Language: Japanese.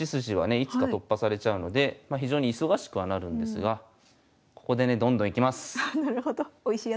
いつか突破されちゃうので非常に忙しくはなるんですがここでねどんどんいきます。